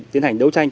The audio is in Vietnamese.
tiến hành đấu tranh